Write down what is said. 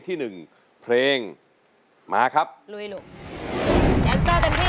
ใบเตยเลือกใช้ได้๓แผ่นป้ายตลอดทั้งการแข่งขัน